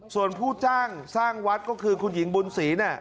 ส่วนผู้จ้างสร้างวัดก็คือคุณหญิงบุญศรี